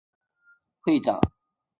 日本沙漠实践协会会长。